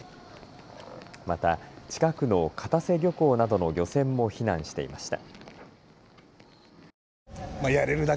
また近くの片瀬漁港などの漁船も避難していました。